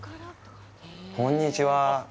こんにちは。